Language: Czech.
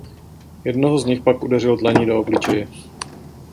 Jednoho z nich pak udeřil dlaní do obličeje.